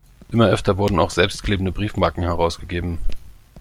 Immer öfter wurden auch selbstklebende Briefmarken herausgegeben.